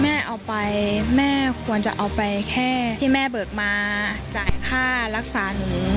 แม่เอาไปแม่ควรจะเอาไปแค่ที่แม่เบิกมาจ่ายค่ารักษาหนู